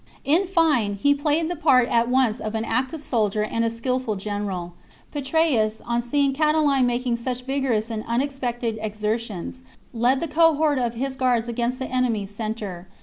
In fine, he played the part at once of an active soldier and a skilful general. Petreius, on seeing Catiline making such vigorous and unexpected exertions, led the cohort of his guards against the enemies' centre.